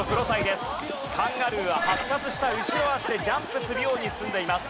カンガルーは発達した後ろ脚でジャンプするように進んでいます。